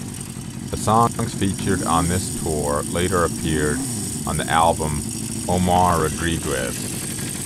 The songs featured on this tour later appeared on the album "Omar Rodriguez".